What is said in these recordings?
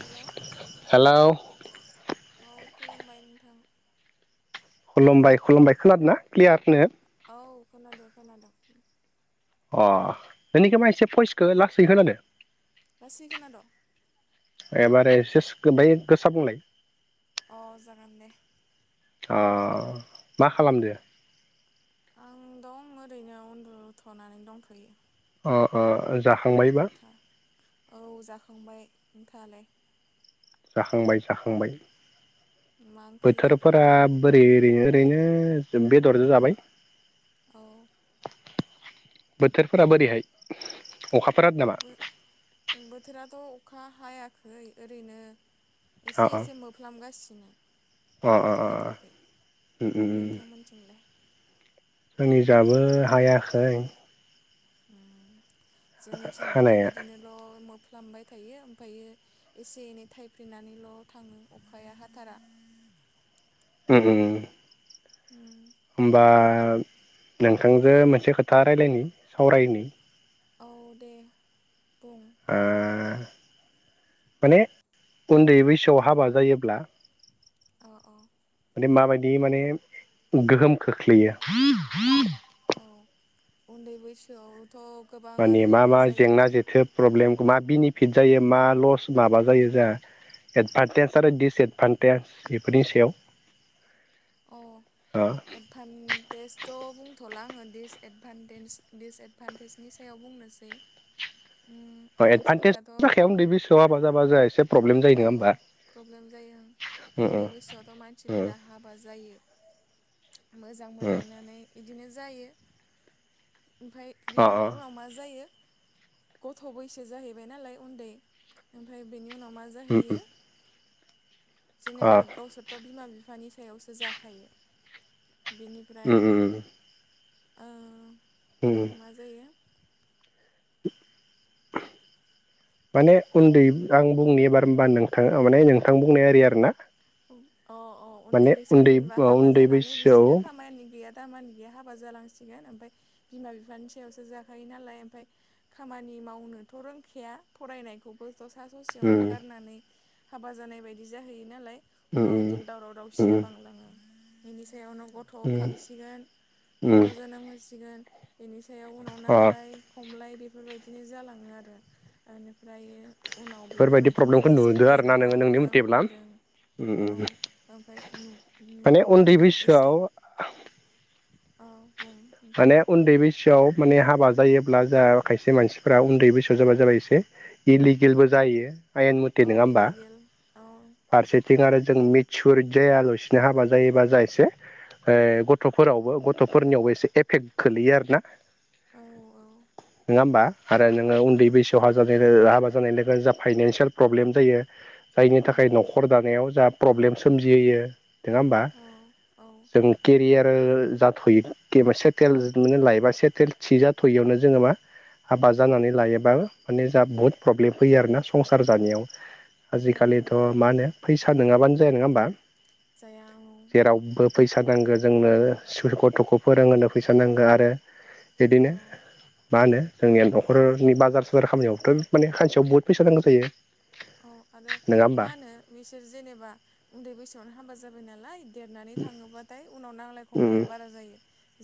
Hello hello औ खुलुमबाय नोंथां। खुलुमबाय खुलुमबाय खोनादोंना क्लियारनो? औ खोनादों खोनादों। अ' नोंनिखौ मा एसे भइसखौ लासै खोनादों? लासै खोनादोंं। एबार एसेस बाय गोसा बुंलाय। अ जागोन दे। अ' मा खालामदो? आं दं ओरैनो उन्दुथ'नानै दंथ'यो। अ अ जाखांबायबा नोंथां औ जाखांबाय नोंथाङालाय? जाखांबाय जाखांबाय मा ओंख्रि जाखो बोथोरफोरा बोरै ओरैनो ओरैनो बेदरजों जाबाय। औ बोथोरफोरा बोरैहाय अखाफोर हादोंनामा? बोथोराथ' अखा हायाखै ओरैनो अ एसे एसे अ मोफ्लामगासिनो। अ अ अखाथ' अ हाथ'वाखै उम नोंथांमोनथिंलाय? जोंनिजायबो हायाखै। जोंनिथिं बिथिं हानाया बिदिनोल' खालामबाय थायो ओमफ्रायो एसे एनै थाइफेनानैल' थाङो अखाया हाथारा। [inaudible] उम उम उम आं नोंथांजो मोनसे खोथा रायजलायनि सावरायनि। औ दे बुं। ओ माने उन्दै बैसोआव हाबा जायोब्ला औ औ। बे माबायदि माने गोहोम खोख्लैयो? उन्दै बैसोआव मानि मा मा जेंना जेथो प्रब्लेम मा बेनिफिट जायो मा लस माबा जायो जोंहा एदभान्टेज आरो दिडिसएदभान्टेज बेफोरनि सायाव। अ' ओ एडभान्टेजथ' बुंथ'लां। आङो दिसएदभान्टेजनि सायाव बुंनोसै। उम अ एदभान्टेज मानसिफोराथ' जाखाया उन्दै बैसोआव हाबा जाब्ला जाहा एसे प्रब्लेम जायो नङा औ होमबा प्रब्लेम जायो उन्दै बैसोआवथ' मानसिफोरा हाबा जायो। मोजां मोनलायनानै इदिनो जायो। ओमफफ्राय बेनि उनाव मा जायो? गथ' बैसो जाहैबाय नालाय उन्दै ओमफ्राय बेनि उनाव मा? जाहैयो। जेनेबा गावसोरथ' बिमा बिफानि सायावसो जाखायो। बिनिफ्राय ओ मा जायो? [inaudible] माने उन्दै आं बुंनि एबार होनबा नोंथाङा माने नोंथां बुंनाय आरि आरोना? अ अ' उन्दै माने बैसोआव जेनेबा हाबा उन्दै जानानै बिसोरो खामानि गैया दामानि गैया हाबा जालां सिगोन ओमफ्राय बिमा बिफानि सायावसो जाखायो नालाय ओमफ्राय खामानि मावनोथ' रोंखाया फरायनायखौबोथ' सा ससेयावनो गारनानै हाबा जानाय बायदि जाहैयो नालाय। उनाव इदिनो बैसोआव दावराव दावसिया बांलाङो बेनि सायाव उनाव गथ खांसिगोन उम गथ जोनोम होसिगोन। बेनि सायाव उनाव अ नांलाय खमलाय बेफोरबायदिनो जालाङो आरो बेनिफ्रायो। उनाव बेफोरबायदि बेफोरबायदिनो प्रब्लेमखौ एसे नुदो आरो ना देरबा नोङो नोंनि ओं मथेब्ला नुदों। उम औ उम ओमफाय नु मा माने मा उन्दै होनो एसे बैसोआव औ बुं नोंथां माने उन्दै बैसो सोआव माने हाबा जायोब्ला जा खायसे मानसिफोरा उन्दै बैसोआव जाबा जाबाय एसे इलेगोलबो जा जायो आयेन मथे औ नङा होनबा इलिगेल औ फारसेथिं आरो जों मिसुर जाया लासिनो हाबा जायोबा जा एसे ओ गथफोरावबो गथफोरनियावबो एसे एफेक्ट गोलैयो आरोना औ औ नोङा होमबा आरो नोङो औ उन्दै बैसोआव [unintelligible] हाबा जानाय लोगो जा फाइनानसियेल प्रब्लेम जायो जायनि थाखाय नखर दानायाव जा प्रब्लेम सोमजिहोयो नोङा होमबा औ औ जों केरियार जाथयै सेथेलनो लायोबा सेथेल थि जाथयियावनो जोङो मा हाबा जानानै लायोबा माने जाहा बुहुद प्रब्लेम फैयो आरोना संसार जानायाव औ आजिखालिथ मा होनो फैसा नङाबानो जाया नङा होमबा जाया जेरावबो फैसा नांगो जोंनो स्कुल गथखो फोरोंहोनो फैसा नांगो आरो बिदिनो औ मा होनो जोंनिया नखरनि बाजार साजार खामनायावथ माने खानसेयाव बहुत फैसा नांगौ जायो औ आरो नङा होमबा मा होनो बिसोर जेनेबा उन्दै बैसोआवनो हाबा जाबाय नालाय देरनानै थाङोबाथाय उनाव नांलाय उम खमलाया बारा जायो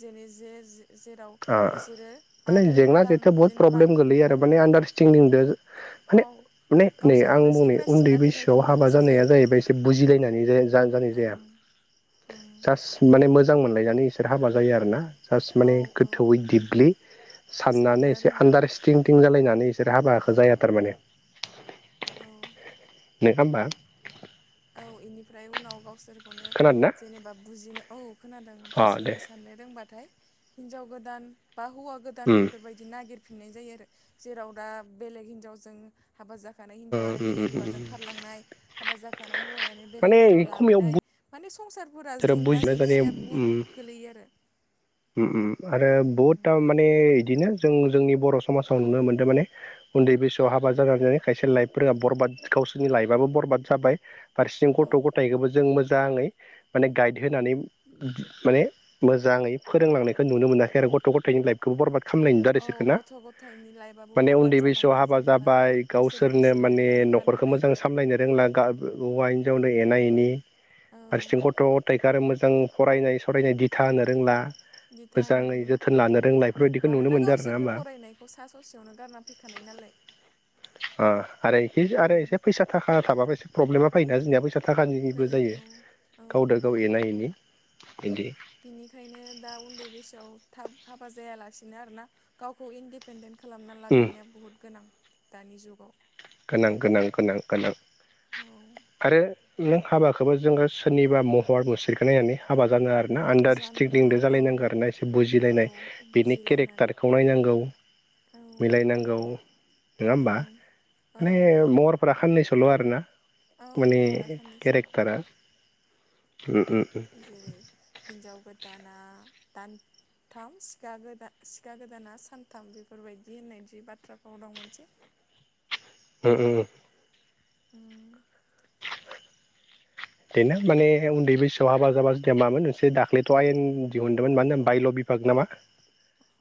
जेरै जे जे ओ माने जेंना गोदान जेंथा बहुत जेनेबा प्रब्लेम गोलैयो आरो माने आडारस्टेन्डिंजो औ माने माने नै आं गावसोरखौनो बुंनि सेंग्रा सिख्ला उन्दै बैसोआव देखायफिननो हाबा गोसो जानाया जायो जाहैबाय एसे बुजिलायनानै जा-जानाय जाया [inaudible] जास्ट माने मोजां मोनलायनानै इसोर हाबा जायो आरोना जास्ट औ माने औ गोथौवै दिब्लि साननानै साननो एसे रोङा आडारस्टेन्ददिं जालाय नानै इसोर हाबाखो जाया थारमाने औ नोङा होमबा औ इनिफ्राय उनाव गावसोरखौनो खोनादों ना जेनेबा बुजिनो औ खोनादों अ दे बुजिनो साननो रोंबाथाय हिनजाव गोदान बा हौवा गोदान उम बेफोरबायदि नागिर फिननाय जायो आरो जेराव दा बेलेग हिनजाव जों हाबा जा खानाय हिन्जावानो उम बेेलेक उम उम हौवाजों खारलांनाय हाबा जाखानाय हौवायानो बेलेग माने हिनजाव खमायाव लाबोनाय माने संसारफोरा [unintelligible] जेंना माने ओम जेंसिया बुहुद ओम गोलैयो आरो ओम आरो बहुद उम ता माने इदिनो जों जोंनि बर समाजाव नुनो मोन्दो माने उन्दै बैसोआव हाबा औ जानानै खायसे लाइफफोरा बर बरबाद गावसोरनि लाइफआबो बरबाद जाबाय फारसेसिं औ गथ गथायखौबो जों मोजाङै माने गाइड होनानै माने मोजाङै फोरोंलांनायखौ नुनो मोनाखै आरो गथ गथायनि लाइफखौबो बरबाद खालामनाय नुदों आरो औ इसोरखौ ना गथ गथाइनि लाइफआबो माने उन्दै बरबाद बैसोआव जालाङो जेनेबा इसोर बुजिनो बो नखखो मोजां सामलायनो रोंला गा हौवा हिनजावनो एना एनि औ हारसिं ग गथाइखो आरो मोजां फरायनाय सरायनाय दिथा होनो रोंला दिथा होनो मोजाङै रोंला जोथोन लानो रोंला मानोना गावसोरनो फरायनायखौ सा ससेयावनो गारना फैखानाय नालाय ओ आरो इखि आरो उम एसे फैसा थाखा थाबाबो एसे प्रब्लेमा फायोना जोंनिया फैसा थाखानिनिबो जायो फैयो औ गावदो गाव एना एनि बिदि बिनिखायनो दा उन्दै बैसोआव थाब हाबा जायालासिनो आरोना गावखौ इन्डिपेन्डेन्ट खालामना उम लाग्रोनाया बुहुत गोनां दानि जुगाव गोनां गोनां गोनां गोनां औ आरो [unintelligible] हाबाखोबो जोङो सोरनिबा महर मुस्रिखो नायनानै हाबा जानो आरो ना जानो आडारस्टिन्डिंद नाङा औ जालायनांगो आरो ना एसे औ बुजिलायनाय बिनि बुजिलायनानै केरेक्टारखौ नायनांगौ औ मिलायनांगौ नङा होमबा ओं औ माने महरफ्रा खाननैसोल' आरोना औ माने महरा साननैसोल' केरेक्टारा उम उम उम जेरै हिन्जाव गोदाना दान थाम सिखा गोदा सिखा गोदाना सानथाम बेफोरबायदि होननाय जि बाथ्राफोराव दं मोनसे [unintelligible] उम-उम। उम। [unintelligible] माने उन्दै बैसोआव हाबा जाबा जुदिया मामोन मोनसे दाख्लैथ' आयेन दिहुनदोंमोन मानो होन बायल'बि [unintelligible]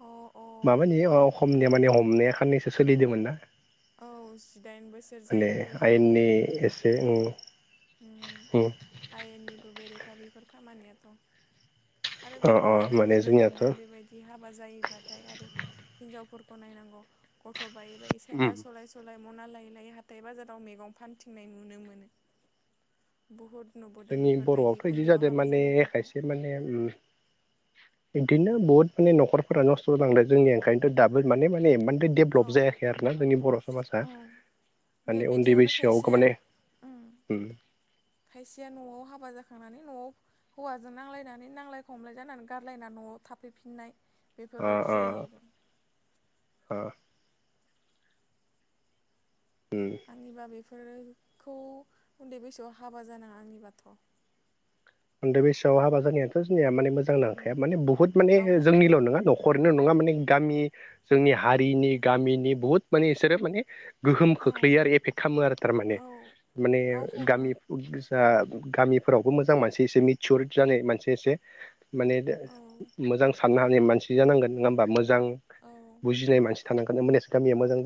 अ अ माबानि ओ अखमनिया माने हमनाया खनैसो सोलिदोंमोन ना औ जिदाइन बोसोर जायिफोरखौ ए उम। उम आइयेननि बेरेखा बेैफोर खामानियाथ' आरो अ अ गोबाङानो माने नुनो जोंनियाथ' मोनदों बेबायदि हाबा जायोब्लाथाय आरो हिनजावफोर खौ नायनांगौ गथ' बायै बायै उम साइकेल सलाय सलाय मना लायै लायै हाथाय -बाजाराव मेगं फानथिंनाय नुनो मोनो बहुद जोंनि बर'आवथ' इदि जादो माने जानायफोरखौ खायसे माने उम बिदिनो बुहुतनि न'खरफोरा नस्थ' जालांदो जोंनि ओंखायनोथ दाबो माने माने इमान [unintelligible] औ डेभलप जायाखै आरोना जोंनि बर' समाजा ओमफ्राय माने उन्दै बिदियावनो बैसोआव खायसेया माने उम। खायसेया न'आव हाबा जाखांनानै न'आव हौवाजों नांलायनानै नांलाय खमलाय जानानै गारलायना न'आव थाफैफिननाय ओ बेफोरबायदि ओ जायो आरो। ओ आंनिबा बेफोरखौ उन्दै बैसोआव हाबा जानाङा आंनिबाथ' उन्दै बैसोआव हाबा जानायाथ' जोंनिया माने मोजां उम नांखाया माने बुहुत माने गाव जोंनिल' नङा न'ख खरैनो नङा माने गामि जोंनि हारिनि गामिनि बहुत माने इसोरो माने गोहोम औ खोख्लैयो आरो एफेक्ट खालामो आरो थारमाने औ माने गावखौनो गामि पुजा उम गामिफोरावबो मोजां मानसि एसे मिचुरि जानाय मोनसे एसे माने दा औ मोजां साननो हानाय मानसि जानांगोन नङा होमबा मोजां औ बुजिनाय मानसि थानांगोन मोनेस गामिया मोजां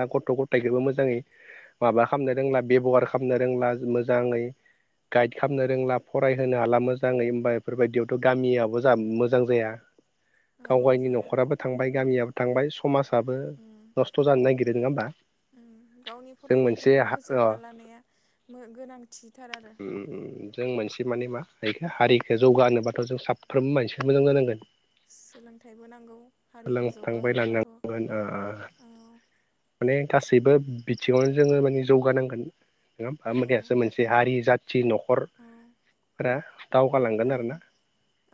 [unintelligible] गथ' गथाइखोबो मोजाङै माबा खामनो रोंला बेब'हार खालामनो रोंला मोजाङै गाइद खामनो रोंला फरायहोनो हाला मोजाङै होमबा बेफोरबायदियावथ' गामियावबो जा मोजां जाया। औ गावगायनि जाया न'खराबो थांबाय उम गामियाबो थांबाय समाजाबो उम नस्थ' जानो नागिरो नङा होमबा उम गावनि जों मोनसे फरायनायफोरखौ फोजोबना ला लानाया मो गोनांथिथार आरो [unintelligible] हारिखो जौगा होनोबाथ' जों साफ्रोमबो मानसिया मोजां जानांगोन सोलोंथाइबो नांगौ हारिखौ सोलोंथांबाय जौगाहोनोबाथ' लानांगोन औ थासैबो बिथिङावनो जोङो माने जौगानांगोन नङा होमबा औ ओमानियासो मोनसे हारि जाथ थि औ न'खरफोरा दावगालांगोन आरो ओं ना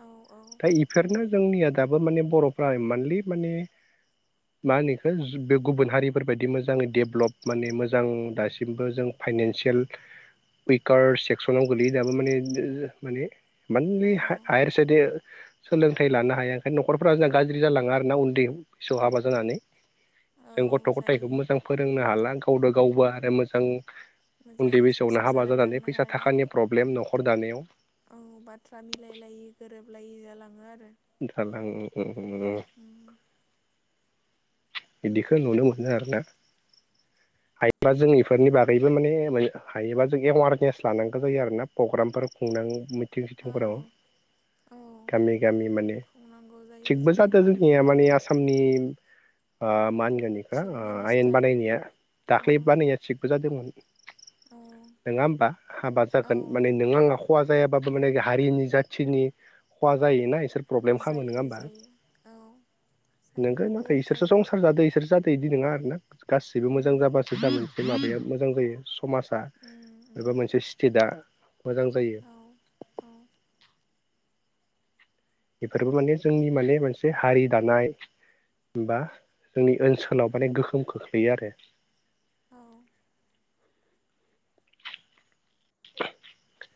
औ औ थाइ बेफोरनो बि जोंनिया दाबो माने बर'फ्रा इमानलि माने मा होनो इखो जु बे गुबुन हारिफोरबायदि मोजाङै डेभलप माने मोजां दासिमबो जों फाइनेन्सियेल उइकार सेक्सनाव गोलैयो दाबो माने बो जो माने औ मानलि हा हायार [unintelligible] सोलोंथाइ लानो हाया ओंखायनो न'खरफोरा जोंना गाज्रि जालाङो आरोना उन्दै फैसोआव हाबा जानानै औ जों गथ' गथायखौ जायो मोजां फोरोंनो हाला गावनो गावबो आरो मोजां उन्दै मोजाङै बैसोआवनो संसार हाबा जालाय जानानै लांनो फैसा हालायला थाखानि प्रब्लेम न'खर दानायाव औ बाथ्रा मिलायलायै गोरोबलायै जालाङो आ [unintelligible] उम बिदिखौ नुनो मोनो आरोना [inaudible] हायोबा जों इफोरनि बागैबो माने हायोबा जों एवारनेस लानांगौ जायो आरो ना प्रग्रामफोर मिथिं औ सिथिंफोराव औ गामि गामि खुंनांगौ जायो थिगबो जादों जेनेबा जोंनिया माने आसामनि ओ मान जेनेखा चिफ आं आयेन मिनिस्टार बानायनाया औ दाख्लै बानाया थिगबो जादोंमोन औ नङा होमबा हाबा औ जागोन माने नों आङा खहा जायाबाबो माने हारिनि जाथिनि खहा जायोना इसोर प्रब्लेम खालामो नङा जायो होमबा जायो औ जायो नोंगो नाथाय बहुद बिसोरसो जायो संसार जादो बिसोर बिदि नङा आरोना गासिबो उम मोजां जाबासो [unintelligible] माबाया मोजां जायो समाजा उम उम एबा मोनसे स्टेटआ मोजां जायो। औ औ ओ बेफोरबो माने जोंनि माने मोनसे हारि दानाय बा जोंनि ओनसोलाव माने गोहोम खोख्लैयो आरो औ [unintelligible]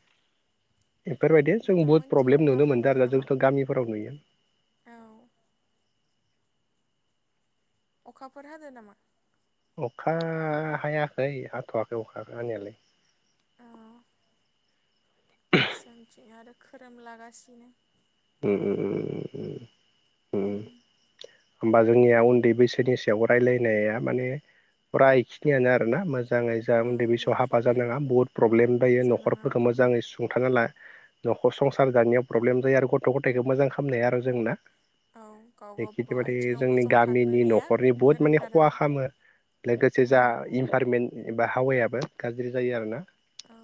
ओमफ्राय बेफोरबायदि जों बहुद नोंथांमोनथिं प्रब्लेम अखा नुनो मोनदों हांदो आरोना नामा जोंथ' गामिफोराव नुयो। औ। अखाफोर हादों नामा? अखा हायाखै हाथ'वाखै अखा हानायालाय औ खोरोमला गासिनो उ। ह होमबा जोंनिया उन्दै बैसोनि सायाव रायलायनाया माने फुरा एखिनियानो आरोना मोजाङै जा औ उन्दै बैसोआव हाबा बेखिनियानो जानाङा बहुद प्रब्लेम जायो जानाङा न'खरफोरखौ बुहुद मोजाङै सुंथानना ला न'खर संसार जानायाव प्रब्लेम जायो आरो गथ' गथायाइखौ मोजां खालामनाया आरो जेंना औ। गाव बे खिथि गावबागाव माने आथिङाव जोंनि गामिनि गसंथाग्रोनाया न'खरनि बुहुत माने गोनांथार खहा आरो खालामो लोगोसे औ जा इनभारमेन्ट एबा हावायाबो गाज्रि जायो आरो ना। औ।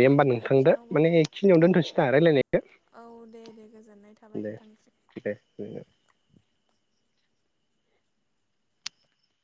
दे होमबा नोंथां दे आथिङाव माने औ एखिनियावनो दोनथ'सै ना रायज्लायनायखौ। औ दे दे गोजोननाय थाबाय दे नोंथांसिम।